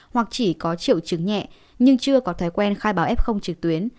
hoặc chỉ có triệu chứng nhẹ nhưng chưa có thói quen khai báo f trực tuyến